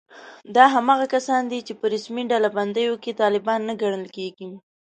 دا هماغه کسان دي چې په رسمي ډلبندیو کې طالبان نه ګڼل کېږي